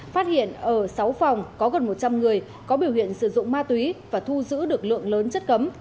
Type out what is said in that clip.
phát hiện ở sáu phòng có gần một trăm linh người có biểu hiện sử dụng ma túy và thu giữ được lượng lớn chất cấm